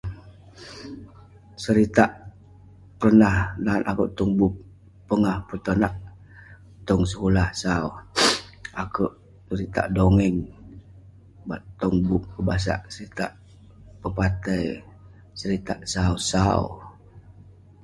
Seritak pernah nat akouk tong bup, pongah petonak tong sekulah sau. Akouk- seritak dongeng tong bup kebasak. Seritak pepatai, seritak sau sau.